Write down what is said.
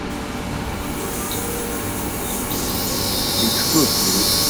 胡商彝是清朝光绪癸卯科进士。